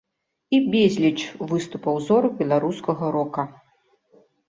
І безліч выступаў зорак беларускага рока.